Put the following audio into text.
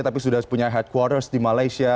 tapi sudah punya headquarters di malaysia